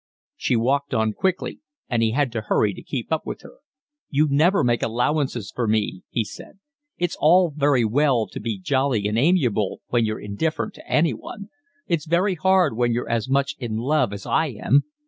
She walked on quickly, and he had to hurry to keep up with her. "You never make allowances for me," he said. "It's all very well to be jolly and amiable when you're indifferent to anyone. It's very hard when you're as much in love as I am.